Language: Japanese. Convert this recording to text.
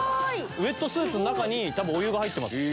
ウエットスーツの中に多分お湯が入ってます。